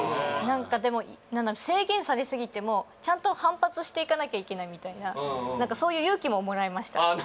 何かでも何だろう制限されすぎてもちゃんと反発していかなきゃいけないみたいな何かそういう勇気ももらいましたああ